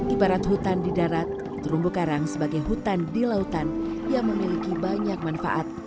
ibarat hutan di darat terumbu karang sebagai hutan di lautan yang memiliki banyak manfaat